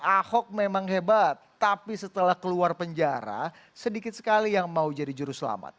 ahok memang hebat tapi setelah keluar penjara sedikit sekali yang mau jadi juru selamat